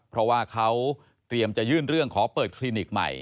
เพราะว่าเขาเตรียมจะยื่นเรื่องขอเปิดคลินิกใหม่